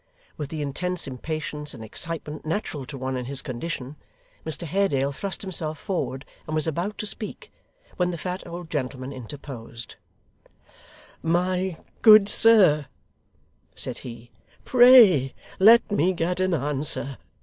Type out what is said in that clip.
With the intense impatience and excitement natural to one in his condition, Mr Haredale thrust himself forward and was about to speak, when the fat old gentleman interposed: 'My good sir,' said he, 'pray let me get an answer.